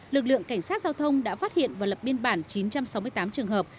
lực lượng cảnh sát giao thông đã phát hiện và lập biên bản chín trăm sáu mươi tám trường hợp